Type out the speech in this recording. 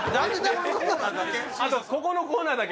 あとここのコーナーだけ。